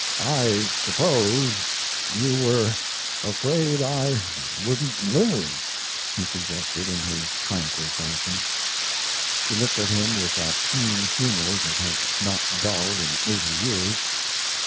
"I suppose you were afraid I wouldn't live," he suggested, in his tranquil fashion. She looked at him with that keen humor that had not dulled in eighty years.